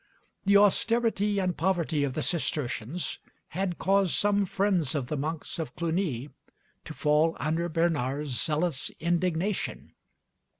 The austerity and poverty of the Cistercians had caused some friends of the monks of Cluny to fall under Bernard's zealous indignation.